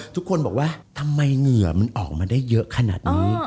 ทุกคนบอกว่าทำไมเหงื่อมันออกมาได้เยอะขนาดนี้